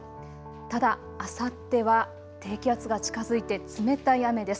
ただ、あさっては低気圧が近づいて冷たい雨です。